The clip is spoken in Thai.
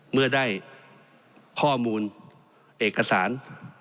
เมื่อได้ข้อมูลเอกสาร